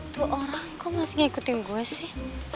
tuh orang kok masih ga n digitink gue sih